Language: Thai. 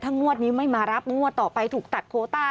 งวดนี้ไม่มารับงวดต่อไปถูกตัดโคต้า